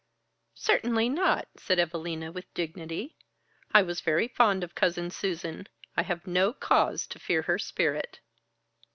"Certainly not!" said Evalina, with dignity. "I was very fond of Cousin Susan. I have no cause to fear her spirit."